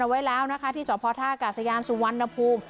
ไว้แล้วนะคะที่สพท่ากาศยานสุวรรณภูมิ